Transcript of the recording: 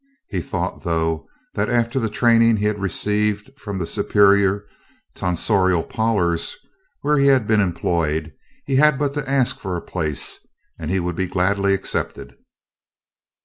He thought, though, that after the training he had received from the superior "Tonsorial Parlours" where he had been employed, he had but to ask for a place and he would be gladly accepted.